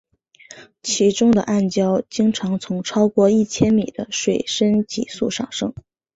其中的暗礁经常从超过一千米的水深急速上升。